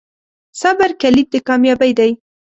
صبر کلید د کامیابۍ دی.